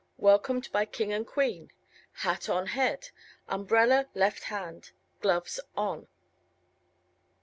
Welcomed by King and Queen. Hat on head. Umbrella left hand. Gloves on.